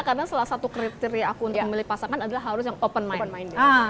karena salah satu kriteria aku untuk memilih pasangan adalah harus yang open mind